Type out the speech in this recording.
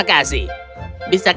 terima kasih tuan